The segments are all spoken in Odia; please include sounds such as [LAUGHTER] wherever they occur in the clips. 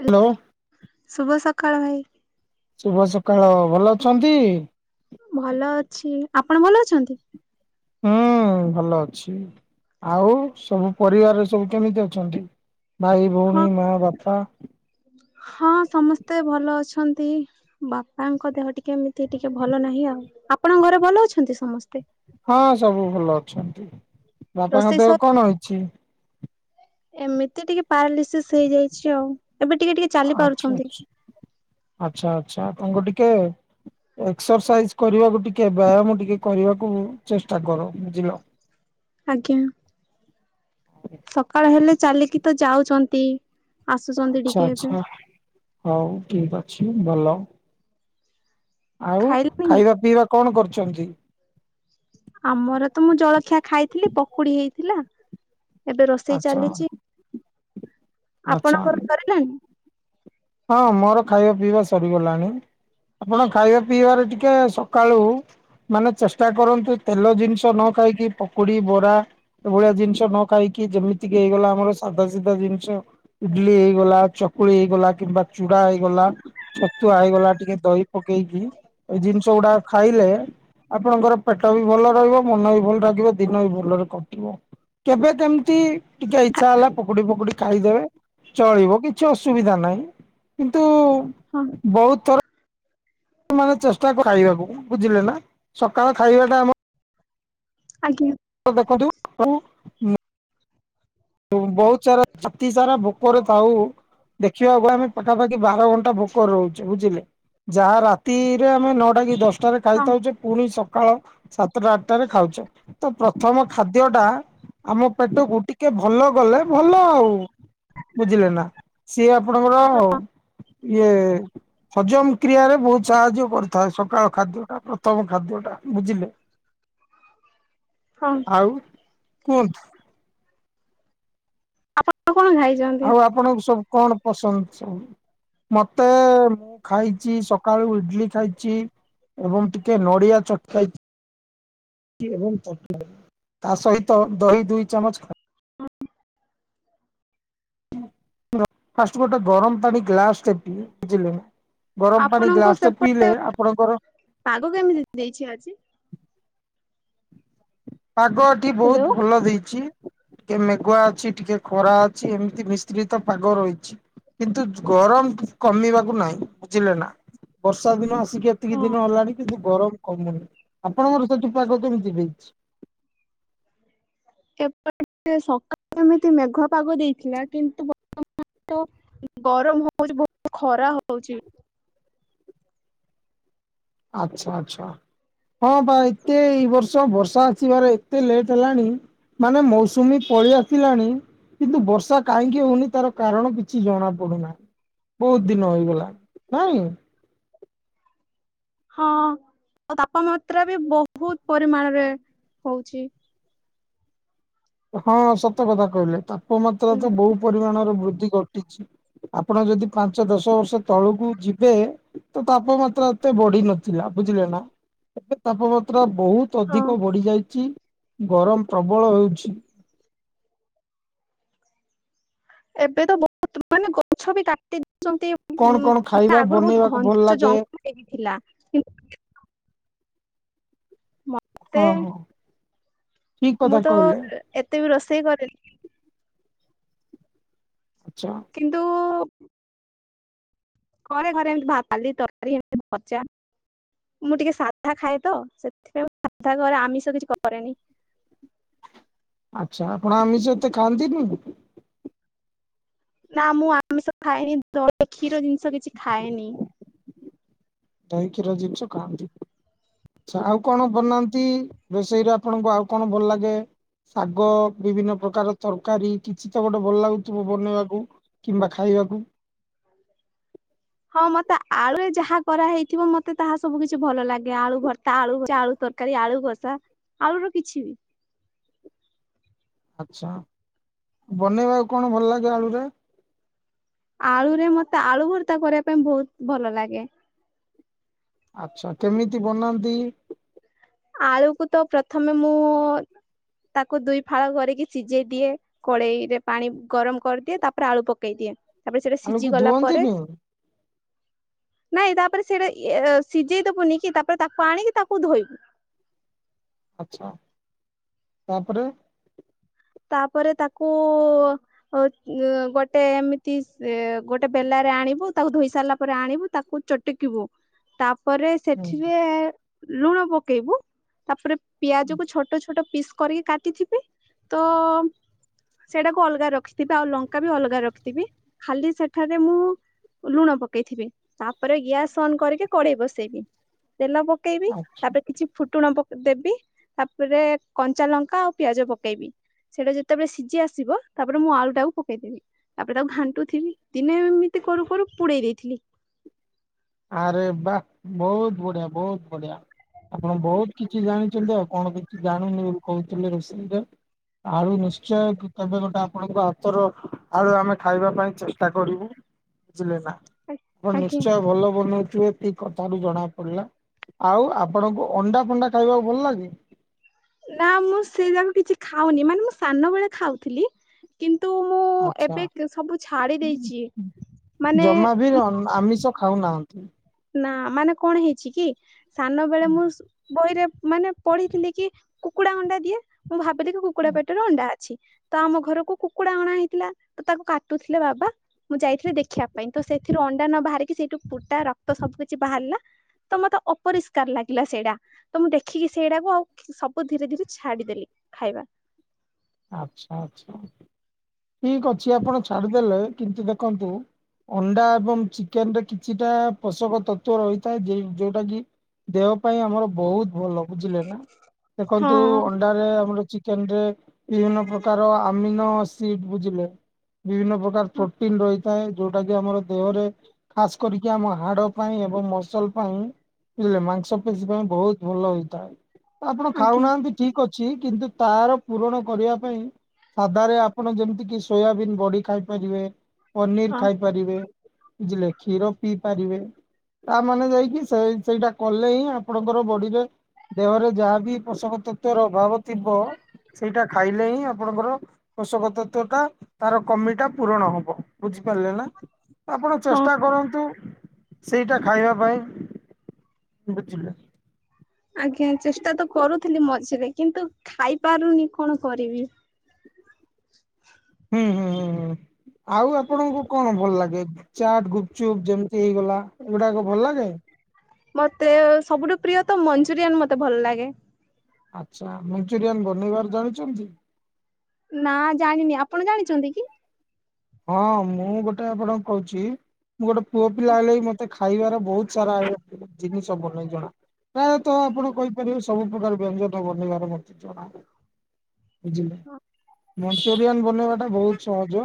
ହ୍ୟାଲୋ ଶୁଭ ସକାଳ ଭାଇ। ଶୁଭ ସକାଳ ଭଲ ଅଛନ୍ତି? ଭଲ ଅଛି, ଆପଣ ଭଲ ଅଛନ୍ତି? ହୁଁ ଭଲ ଅଛି ଆଉ ସବୁ ପରିବାରରେ ସବୁ କେମିତି ଅଛନ୍ତି? ଭାଇ, ଭଉଣୀ, ହଁ ମା, ବାପା ହଁ ସମସ୍ତେ ଭଲ ଅଛନ୍ତି। ବାପାଙ୍କ ଦେହ ଟିକେ ଏମିତି ଟିକେ ଭଲ ନାହିଁ ଆଉ ଆପଣଙ୍କ ଘରେ ଭଲ ଅଛନ୍ତି ସମସ୍ତେ? ହଁ ସବୁ ଭଲ ଅଛନ୍ତି ବାପାଙ୍କ ରୋଷେଇ ସ ଦେହ କଣ ହେଅଛି? ଏମିତି ଟିକେ ପାରାଲିସିସ୍ ହେଇଯାଇଛି ଆଉ ଏବେ ଟିକେ ଟିକେ ଚାଲି ଆଚ୍ଛା, ପାରୁଛନ୍ତି ଆଛା, ଆଚ୍ଛା, ଆଚ୍ଛା ତାଙ୍କୁ ଟିକେ ଏକ୍ସରସାଇଜ କରିବାକୁ ଟିକେ ବ୍ୟାୟାମ ଟିକେ କରିବାକୁ ଚେଷ୍ଟା କର। ବୁଝିଲ? ଆଜ୍ଞା ସକାଳ ହେଲେ ଚାଲିକି ତ ଯାଉଛନ୍ତି। ଆସୁଛନ୍ତି ଆଚ୍ଛା, ଟିକେ ଏବେ ଆଚ୍ଛା ହଉ ଠିକ ଅଛି ଭଲ। ଆଉ ଖାଇଲେଣି? ଖାଇବା ପିଇବା କଣ କରୁଛନ୍ତି? ଆମର ତ ମୁଁ ଜଳଖିଆ ଖାଇଥିଲି ପକୁଡି ହେଇଥିଲା ଏବେ ରୋଷେଇ ଆଚ୍ଛା ଚାଲିଛି। ଆଚ୍ଛା ଆପଣଙ୍କର ରେ ନାଣିଁ? ହଁ ମୋର ଖାଇବା ପିଇବା ସରିଗଲାଣି। ଆପଣ ଖାଇବା ପିଇବାରେ ଟିକେ ସକାଳୁ ମାନେ ଚେଷ୍ଟା କରନ୍ତୁ ତେଲ ଜିନିଷ ନ ଖାଇକି ପକୁଡି, ବରା ଏ ଭଳିଆ ଜିନିଷ ନ ଖାଇକି ଯେମିତି କିି ହେଇଗଲା ଆମର ସାଧା ସିଧା ଜିନିଷ ଇଡଲି ହେଇଗଲା, ଚକୁଳି ହେଇଗଲା କିମ୍ବା ଚୁଡା ହେଇଗଲା ଛତୁଆ ହେଇଗଲା ଟିକେ ଦହି ପକେଇକି ଏ ଜିନିଷ ଗୁଡା ଖାଇଲେ ଆପଣଙ୍କର ପେଟ ବି ଭଲ ରହିବ ମନ ବି ଭଲ ଲାଗିବ ଦିନ ବି ଭଲରେ କଟିବ। କେବେ କେମତି ଟିକେ ଇଚ୍ଛା ହେଲା ପକୁଡି, ପକୁଡି ଖାଇଦେବେ। ଚଳିବ କିଛି ଅସୁବିଧା ନାହିଁ। କିନ୍ତୁ ହଁ ବହୁତ ଥର ମାନେ ଚେଷ୍ଟା ଖାଇବାକୁ ବୁଝିଲେ ନା ସକାଳ ଖାଇବାଟା ଆମର ଆଜ୍ଞା ଦେଖନ୍ତୁ [INAUDIBLE] ମୁଁ ବହୁତ ସାରା [INAUDIBLE] ସାରା ଭୋକରେ ଥାଉ ଦେଖିବାକୁ ଗଲେ ଆମେ ପାଖାପାଖି ବାର ଘଣ୍ଟା ଭୋକରେ ରହୁଛୁ ବୁଝିଲେ? ଯାହା ରାତିରେ ଆମେ ନଅଟା କି ଦଶ ଟାରେ ହଁ ଖାଇଥାଉଛେ ପୁଣି ସକାଳ ସାତଟା ଆଠଟାରେ ଖାଉଛେ। ତ ପ୍ରଥମ ଖାଦ୍ୟ ଟା ଆମ ପେଟକୁ ଟିକେ ଭଲ ଗଲେ ଭଲ ଆଉ। ବୁଝିଲେ ନା ସିଏ ଆପଣଙ୍କର ଇଏ ହଜମ କ୍ରିୟାରେ ବହୁତ ସାହାଯ୍ୟ କରିଥାଏ ସକାଳ ଖାଦ୍ୟଟା ପ୍ରଥମ ଖାଦ୍ୟଟା ବୁଝିଲେ ହଁ ଆଉ କୁନ୍ତ ଆପଣଙ୍କ କଣ ଖାଇ ଆଉ ଆପଣଙ୍କୁ ସବୁ କଣ ପସନ୍ଦ ସବୁ ମତେ ମୁଁ ଖାଇଛି ସକାଳୁ ଇଡଲି ଖାଇଛି ଏବଂ ଟିକେ ନଡ଼ିଆ ଚକାଇ ଏବଂ ଚଟ ତା ସହିତ ଦହି ଦୁଇ ଚାମଚ ଖା ଫା ଗୋଟେ ଗରମ ପାଣି ଗଲାଷ୍ଟ ବୁଝିଲେ ନା ଗରମ ପାଣି ଆପଣଙ୍କ ଗ୍ଲାସ ଟା ସେପଟେ ପିଇଲେ ଆପଣଙ୍କର ପାଗ କେମିତି ଦେଇଛି ଆଜି ପାଗଠି ହ୍ୟାଲୋ ବହୁତ ଭଲ ଦେଇଛି ଟିକେ ମେଗୁଆ ଅଛି ଟିକେ ଖରା ଅଛି ଏମିତି ମିଶ୍ରିତ ପାଗ ରହିଛି କିନ୍ତୁ ଗରମ କମିବାକୁ ନାହିଁ ବୁଝିଲେ ନା ବର୍ଷା ଦିନ ଆସିକି ଏତିକି ହଁ ଦିନ ହେଲାଣି କିନ୍ତୁ ଗରମ କମୁନି ଆପଣଙ୍କର ସେଠିପାଗ କେମିତି ଦେଇଛି ପଟ ସକାଳୁ ଏମିତି ମେଘ ପାଗ ଦେଇଥିଲା କିନ୍ତୁ ବତ୍ତ ଗରମ ହଉଚି ବହୁତ ଖରା ହଉଛିି ଆଚ୍ଛା ଆଚଛା ହଁ ବା ଏତେ ଏଇ ବର୍ଷ ବର୍ଷା ଆସିବାରେ ଏତେ ଲେଟ୍ ହେଲାଣି ମାନେ ମୌସୁମୀ ପଳ ଆସିଲାଣି କିନ୍ତୁ ବର୍ଷା କାହିଁକି ହଉନି ତାର କାରଣ କିଛି ଜଣା ପଡୁନାହିଁ ବହୁତ ଦିନ ହେଇଗଲା ନାଇ ହଁ ତାପମାତ୍ରା ବି ବହୁତ ପରିମାଣରେ ହଉଛି ହଁ ସତ କଥା କହିଲେ ତାପମାତ୍ରା ତ ବହୁ ପରିମାଣର ବୃଦ୍ଧି ଘଟିଛି ଆପଣ ଯଦି ପାଞ୍ଚ ଦଶ ବର୍ଷ ତଳକୁ ଯିବେ ତ ତାପମାତ୍ରା ଏତେ ବଢି ନଥିଲା ବୁଝିଲେ ନା ଏ ତାପମାତ୍ରା ମାତ୍ରା ବହୁତ ହଁ ଅଧିକ ବଢି ଯାଇଛି ଗରମ ପ୍ରବଳ ହେଉଛି ଏବେ ତ ବହୁତ ମାନେ ଗଛ ବି କାଟି ଦଉଛନ୍ତି ଉ କଣ କଣ ମାନେ ଖାଇବା ଆଗରୁ ବହୁତ ବନେଇବାକୁ ଭଲ ଘଞ୍ଚ ଲାଗେ ଜଙ୍ଗଲ ହେଇଥିଲା କିୁ ମତେ ହଁ ହଁ ଠିକ କଥା ମୁଁ ତ କହିଲେ। ଏତେ ବି ରୋଷେଇ କଲିି ଆଚ୍ଛା କିନ୍ତୁ ଘରେ ଘରେ ଏମିତି ଭାତତାଲି ତରକାରୀ ଏମିତି ଭଚା ମୁଁ ଟିକେ ସାଧା ଖାଏ ତ ସେଥିପାଇଁ ମୁ ସାଧା କରେ ଆମିଷ କିଛି କରେନି ଆଚ୍ଛା ଆପଣ ଆମିଷତେ ଖାଆନ୍ତିନିେ ନା ମୁଁ ଆମିଷ ଖାଏନି କ୍ଷୀର ଜିନିଷ କିଛି ଖାଏନି ଦହି କ୍ଷୀର ଜିନିଛ କାନ୍ତି ଆଛ ଆଉ କଣ ବନାନ୍ତି ରୋଷେଇରେ ଆପଣଙ୍କୁ ଆଉ କଣ ଭଲ ଲାଗେ ଶାଗ ବିଭିନ୍ନ ପ୍ରକାର ତରକାରୀ କିଛି ତ ଗୋଟେ ଭଲ ଲାଗୁଥିବ ବନେଇବାକୁ କିମ୍ବା ଖାଇବାକୁ ହଁ ମତେ ଆଳୁରେ ଯାହା କରାହେଇଥିବ ମତେ ତାହା ସବୁ କିଛି ଭଲ ଲାଗେ ଆଳୁ ଭର୍ତା ଆଳୁଳୁ ତ ତରକାରୀ ଆଳୁ କଷା ଆଳୁର କିଛି ବି ଆଚଛା ବନେଇବାକୁ କଣ ଭଲ ଲାଗେ ଆଳୁରେ ଆଳୁରେ ମତେ ଆଳୁ ଭର୍ତ୍ତା କରିବା ପାଇଁ ବହୁତ ଭଲ ଲାଗେ ଆଚ୍ଛା କେମିତି ବନାନ୍ତି। ଆଳୁକୁ ତ ପ୍ରଥମେ ମୁଁ ତାକୁ ଦୁଇ ଫାଳ କରିକି ସିଝେଇ ଦିଏ। କଡ଼େଇ ରେ ପାଣି ଗରମ କରିଦିଏ ତାପରେ ଆଳୁ ପକେଇ ଦିଏ। ତାପରେ ସେଟା ଆଳୁକୁ ସିଝି ଗଲା ପରେ। ଧୁଅନ୍ତିନି ନାଇଁ ତାପରେ ସେଇଟା ସିଝେଇ ଦବୁନି କି ତାପରେ ତାକୁ ଆଣିକି ତାକୁ ଧୋଇବୁ। ଆଛା ତାପରେ। ତାପରେ ତାକୁ ଗୋଟେ ଏମିତି ସେ ଗୋଟେ ବେଲାରେ ଆଣିବୁ ତାକୁ ଧୋଇ ସାରିଲା ପରେ ଆଣିବୁ ତାକୁ ଚଟିକିବୁ ତାପରେ ହୁଁ ସେଠିରେ ଲୁଣ ପକେଇବୁ ତାପରେ ପିଆଜ କୁ ଛୋଟ ଛୋଟ ପିସ୍ କରିକି କାଟିଥିବେ ତ ସେଇଟାକୁ ଅଲଗା ରଖିଥିବି ଆଉ ଲଙ୍କା ବି ଅଲଗା ରଖିଥିବି ଖାଲି ସେଠାରେ ମୁଁ ଲୁଣ ପକେଇଥିବେ ତାପରେ ଗ୍ୟାସ୍ ଅନ୍ କରିକି କଡେଇ ବସେଇବି ତେଲ ପ ପକେଇବି ଆଚ୍ଛା ତାପରେ କିଛି ଫୁଟୁଣ ଦେବି ତାପରେ କଞ୍ଚା ଲଙ୍କା ଆଉ ପିଆଜ ପକେଇବି। ସେଇଟା ଯେତେବେଳେ ସିଝି ଆସିବ ତାପରେ ମୁଁ ଆଳୁ ଟାକୁ ପକେଇଦେବି। ତାପରେ ତାକୁ ଘାଣ୍ଟୁଥିବି ଦିନେ ଏମିତି କରୁ କରୁ ପୁଡେଇ ଦେଇଥିଲି। ଆରେ ବାଃ ବହୁତ ବଢିଆ ବହୁତ ବଢିଆ। ଆପଣ ବହୁତ କିଛି ଜାଣିଛନ୍ତି ଆଉ କଣ କିଛି ଜାଣୁନି ବୋଲି କହୁଥିଲେ ରୋଷେଇରେ। ଆଳୁ ନିଶ୍ଚୟ କେବେ ଗୋଟେ ଆପଣଙ୍କ ହାତର ଆଳୁ ଆମେ ଖାଇବା ପାଇଁ ଚେଷ୍ଟା କରିବୁ। ବୁଝିଲେ ନା ଆପଣ ଆଜ୍ଞା। ନିଶ୍ଚୟ ଭଲ ବନଉଥିବେ ଏତିକି କଥା ରୁ ଜଣା ପଡିଲା ଆଉ ଆପଣଙ୍କୁ ଅଣ୍ଡା ଫଣ୍ଡା ଖାଇବାକୁ ଭଲ ଲାଗେ। ନା ମୁଁ ସେଇରା ବି କିଛି ଖାଉନି ମାନେ ମୁଁ ସାନ ବେଳେ ଖାଉଥିଲି। କିନ୍ତୁ ମୁଁ ଆଚ୍ଛା ଏବେ ସବୁ ଛାଡ଼ି ଦେଇଛି ମାନେ [UNINTELLIGIBLE] ଆମିଷ ଖାଉନାହାନ୍ତି। ନା ମାନେ କଣ ହେଇଛି କି ସାନ ବେଳେ ମୁଁ ବହିରେ ମାନେ ପଢିଥିଲି କି କୁକୁଡା ଅଣ୍ଡା ଦିଏ ମୁଁ ଭାବିଲି କି କୁକୁଡ଼ା ପେଟରେ ଅଣ୍ଡା ଅଛି ତ ଆମ ଘରକୁ କୁକୁଡା ଅଣା ହେଇଥିଲା ତ ତାକୁ କାଟୁଥିଲେ ବାବା ମୁଁ ଯାଇଥିଲି ଦେଖିବା ପାଇଁ ତ ସେଥିରୁ ଅଣ୍ଡା ନ ବାହାରିକି ସେଇଠୁ ପୁଟା ରକ୍ତ ସବୁ କିଛି ବାହାରିଲା। ତ ମତେ ଅପରିଷ୍କାର ଲାଗିଲା ସେଇଟା। ତ ମୁଁ ଦେଖିକି ସେଇଟାକୁ ଆଉ ସବୁ ଧୀରେ ଧୀରେ ଛାଡିଦେଲି ଖାଇବା। ଆଛା ଆଛା ଠିକ ଅଛି ଆପଣ ଛାଡିଦେଲେ କିନ୍ତୁ ଦେଖନ୍ତୁ ଅଣ୍ଡା ଏବଂ ଚିକେନରେ କିଛିଟା ପୋଷକ ତତ୍ଵ ରହିଥାଏ ଯୋଉଟା କି ଦେହ ପାଇଁ ଆମର ବହୁତ ଭଲ। ବୁଝିଲେ ନା ହଁ ଦେଖନ୍ତୁ ଅଣ୍ଡାରେ ଆମର ଚିକେନ ରେ ବିଭିନ୍ନ ପ୍ରକାର ଆମିନ ଏସିଡ଼ ବୁଝିଲେ ବିଭିନ୍ନ ପ୍ରକାର ହଁ ପ୍ରୋଟିନ ରହି ଥାଏ ଯୋଉଟା କି ଆମର ଦେହରେ ଖାସ କରିକି ଆମ ହାଡ ପାଇଁ ଏବଂ ମସଲ ପାଇଁ ବୁଝିଲେ ମାଂସ ପେଶୀ ପାଇଁ ବହୁତ ଭଲ ହୁଇଥାଏ। ଆପଣ ଆଜ୍ଞା ଖାଉନାହାନ୍ତି ଠିକ ଅଛି କିନ୍ତୁ ତାର ପୁରଣ ପାଇଁ ସାଧାରେ ଆପଣ ଯେମିତି କି ସୋୟାବିନ ବଡ଼ି ଖାଇ ପାରିବେ ପନିର୍ ହଁ ଖା ପାରିବେ ବୁଝିଲେ କ୍ଷୀର ପି ପାରିବେ। ତାମାନେ ଯାଇକି ସେ ସେଇଟା କଲେ ହିଁ ଆପଣଙ୍କର ବଡିରେ ଦେହରେ ଯାହା ବିି ପୋଷକ ତତ୍ଵ ର ଅଭାବ ଥିବ ସେଇଟା ଖାଇଲେ ହିଁ ଆପଣଙ୍କର ପୋଷକ ତତ୍ଵ ଟା ତାର କମିଟା ପୂରଣ ହବ ବୁଝିପାରିଲେ ନା। ଆପଣ ହଁ ଚେଷ୍ଟା କରନ୍ତୁ ସେଇଟା ଖାଇବା ପାଇଁ ବୁଝିଲେ। ଆଜ୍ଞା ଚେଷ୍ଟା ତ କରୁଥିଲି ମଝିରେ କିନ୍ତୁ ଖାଇ ପାରୁନି କଣ କରିବି। ହୁଁ ହୁଁ ହୁଁ ହୁଁ ଆଉ ଆପଣଙ୍କୁ କଣ ଭଲ ଲାଗେ? ଚାଟ୍ ଗୁପଚୁପ୍ ଯେମିତି ହେଇଗଲା ଏଗୁଡାକ ଭଲ ଲାଗେ। ମତେ ସବୁଠୁ ପ୍ରିୟ ତ ମଞ୍ଚୁରିଆନ ମତେ ଭଲ ଲାଗେ। ଆଛା ମଞ୍ଚୁରିଆନ ବନେଇବାର ଜାଣିଚନ୍ତି? ନା ଜାଣିନି ଆପଣ ଜାଣିଛନ୍ତି କି? ହଁ ମୁଁ ଗୋଟେ ଆପଣ କହୁଛି ମୁଁ ଗୋଟେ ପୁଅ ହଁ ପିଲା ହେଲେ ବି ମତେ ଖାଇବାର ବହୁତ ସାରା ଜିନିଷ ବନେଇ ଜଣା। ପ୍ରାୟତଃ ଆପଣ କହିପାରିବେ ସବୁ ପ୍ରକାର ବ୍ୟଞ୍ଜନ ବନେଇବାର ମତେ ଜଣା। ବୁଝିଲେ ମଞ୍ଚୁରିଆନ ବନେଇବା ଟା ବହୁତ ସହଜ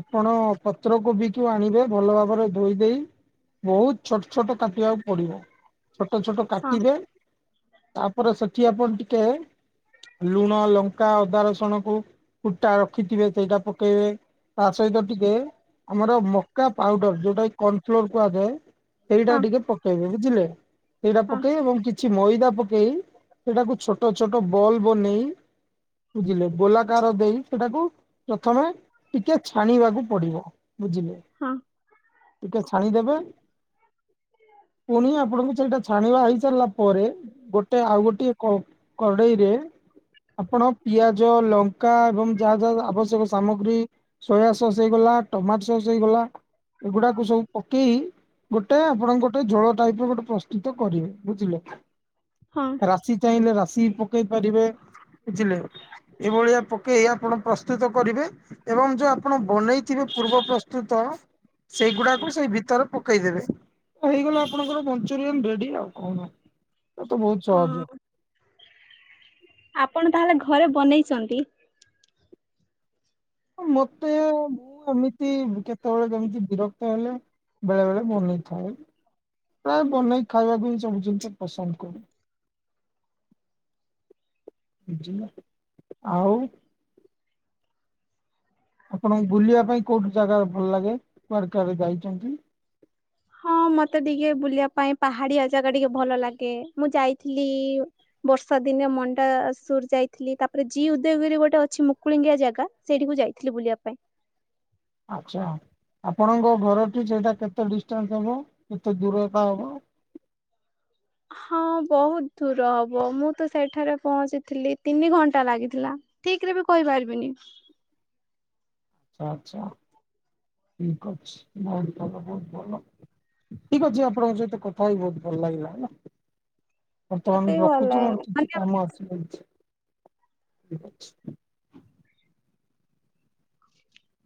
ଆପଣ ପତ୍ରକୋବିକୁ ଆଣିବେ ଭଲ ଭାବରେ ଧୋଇ ଦେଇ ବହୁତ ଛୋଟ ଛୋଟ କାଟିବାକୁ ପଡିବ ଛୋଟ ଛୋଟ ହଁ କାଟିଲେ ତାପରେ ସେଠି ଆପଣ ଟିକେ ଲୁଣ ଲଙ୍କା ଅଦା ରସୁଣ କ ଫୁଟା ରଖିଥିବେ ସେଇଟା ପକେଇବେ ତା ସହିତ ଟିକେ ଆମର ମକା ପାଉଡର ଯୋଉଟା କି କର୍ଣ ଫ୍ଲୋର କୁହାଯାଏ ସେଇଟା ହଁ ଟିକେ ପକେଇବେ ବୁଝିଲେ ସେଇଟା ପକେଇ ଏବଂ କିଛି କିଛି ମଇଦା ପକେଇ ସେଟାକୁ ଛୋଟ ଛୋଟ ବଲ ବନେଇ ବୁଝିଲେ ବୋଲାକାର ଦେଇ ସେଟାକୁ ପ୍ରଥମେ ଟିକେ ଛାଣିବାକୁ ପଡିବ ବୁଝିଲେ ହଁ ଟିକେ ଛାଣିଦେବେ ପୁଣି ଆପଣଙ୍କୁ ସେଇଟା ଛାଣିବା ହେଇସାରିଲା ପରେ ଗୋଟେ ଆଉ ଗୋଟିଏ କଡ଼େଇରେ ଆପଣ ପିଆଜ ଲଙ୍କା ଏବଂ ଯାହା ଯାହା ଆବଶ୍ୟକ ସାମଗ୍ରୀ ସୋୟା ସସ୍ ହେଇଗଲା ଟମାଟୋ ସସ୍ ହେଇଗଲା ଏଗୁଡାକୁ ସବୁ ପକେଇ ଗୋଟେ ଆପଣଙ୍କ ଗୋଟେ ଝୋଳ ଟାଇପ ର ଗୋଟେ ପ୍ରସ୍ତୁତ କରିବେ ବୁଝିଲ ହଁ ରାଶି ଚାହିଁଲେ ରାଶି ପକେଇ ପାରିବେ ବୁଝିଲେ ଏଇଭଳିଆ ପକେଇ ଆପଣ ପ୍ରସ୍ତୁତ କରିବେ ଏବଂ ଯୋଉ ଆପଣ ବନେଇଥିବେ ପୂର୍ବ ପ୍ରସ୍ତୁତ ସେଇଗୁଡାକୁ ସେଇ ଭିତରେ ପକେଇଦେବେ ହେଇଗଲା ଆପଣଙ୍କର ମଞ୍ଚୁରିଆନ ରେଡି ଆଉ କଣ ଏ ତ ବହୁତ ସହଜ ଆପଣ ତାହେଲେ ଘରେ ବନେଇଛନ୍ତି ମତେ ମୁଁ ଏମିତି କେତେବେଳେ କେମିତି ବିରକ୍ତ ହେଲେ ବେଳେ ବେଳେ ବନେଇଥାଏ ପ୍ରାୟ ବନେଇକ ଖାଇବାକୁ ହିଁ ସବୁ ଜିନିଷ ପସନ୍ଦ କରୁ ଝ ଆଉ ଆପଣଙ୍କୁ ବୁଲିବା ପାଇଁ କୋଉଠି ଜାଗା ଭଲ ଲାଗେ କୁଆଡେ କୁଆଡେ ଯାଇଛନ୍ତି ହଁ ମତେ ଟିକେ ବୁଲିବା ପାଇଁ ପାହାଡିଆ ଜାଗା ଟିକେ ଭଲ ଲାଗେ ମୁଁ ଯାଇଥିଲି ବର୍ଷା ଦିନେରେ ମଣ୍ଡା ସୁର ଯାଇଥିଲି ତାପରେ ଜି ଉଦୟଗିରି ଗୋଟେ ଅଛି ମୁକୁଳିଙ୍ଗିଆ ଜାଗା ସେଇଠିକୁ ଯାଇଥିଲି ବୁଲିବା ପାଇଁ ଆଚ୍ଛା ଆପଣଙ୍କ ଘରଟି ସେଇଟା କେତେ ଡିଷ୍ଟାନ୍ସ ହବ କେତେ ଦୂରତା ହବ ହଁ ବହୁତ ଦୂର ହବ ମୁଁ ତ ସେଇଠାରେ ପହଞ୍ଚିଥିଲି ତିନି ଘଣ୍ଟା ଲାଗିଥିଲା ଠିକ ରେ ବି କହିପାରିବିନି ଆଛା ଠିକ କରଛି ନା ତାହଲେ ବହୁତ ଭଲ ଠିକ ଅଛି ଆପଣଙ୍କ ସହିତ କଥା ହ ବହୁତ ଭଲ ଲାଗିଲା ହେଲା ମତେ ବର୍ତ୍ତମାନ ବି ଭଲ ରଖୁଛି ମୋର ଲାଗେନା କିଛି ମାନେ କାମ ଆସ